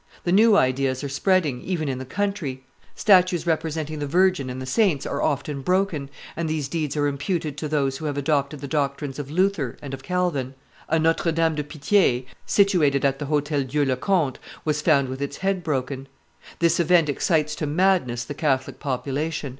The new ideas are spreading, even in the country. ... Statues representing the Virgin and the saints are often broken, and these deeds are imputed to those who have adopted the doctrines of Luther and of Calvin. A Notre Dame de Pitie, situated at the Hotel Dieule Comte, was found with its head broken. This event excites to madness the Catholic population.